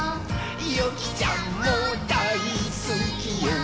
「ゆきちゃんもだいすきよ」